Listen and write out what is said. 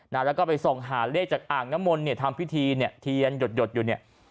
แล้วก็ไปส่งหาเลขจากอ่างนมลทำพิธีเทียนหยดอยู่